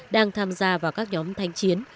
đang tham gia vào các nhóm thanh chiến